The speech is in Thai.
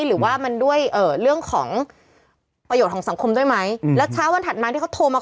หรือว่ามันด้วยเรื่องของประโยชน์ของสังคมด้วยไหมแล้วเช้าวันถัดมาที่เขาโทรมา